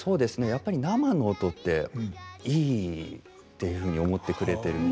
やっぱり生の音っていいっていうふうに思ってくれてるみたいで。